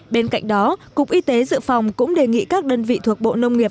bên cạnh đó cục y tế dự phòng cũng đề nghị các đơn vị thuộc bộ nông nghiệp